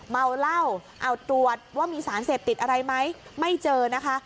เมาเหล้าเอาตรวจว่ามีสารเสพติดอะไรไหมไม่เจอนะคะ